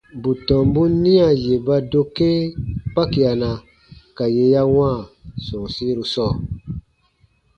Bù tɔmbun nia yè ba dokee kpakiana ka yè ya wãa sɔ̃ɔsiru sɔɔ.